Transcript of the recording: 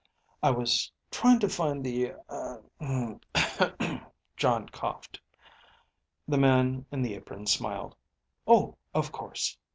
"I was trying to find the eh er ..." Jon coughed. The man in the apron smiled. "Oh. Of course.